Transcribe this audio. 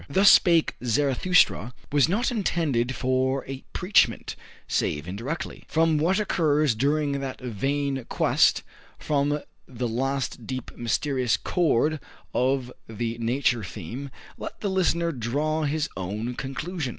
"Thus Spake Zarathustra" was not intended for a preachment, save indirectly. From what occurs during that vain quest, from the last deep mysterious chord of the Nature theme, let the listener draw his own conclusion.